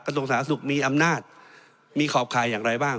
ส่วนสาธารณสุขมีอำนาจมีขอบคายอย่างไรบ้าง